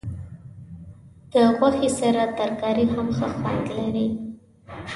د غوښې سره ترکاري هم ښه خوند لري.